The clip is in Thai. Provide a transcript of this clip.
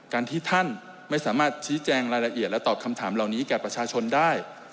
การที่ท่านไม่สามารถชี้แจงรายละเอียดและตอบคำถามเหล่านี้แก่ประชาชนได้